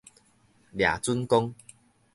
掠準講